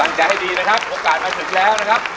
ใจให้ดีนะครับโอกาสมาถึงแล้วนะครับ